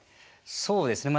そうですね。